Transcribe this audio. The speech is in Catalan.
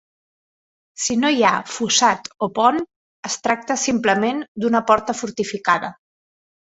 Si no hi ha fossat o pont es tracta simplement d'una porta fortificada.